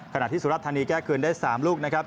ขณะที่สุรธานีแก้คืนได้๓ลูกนะครับ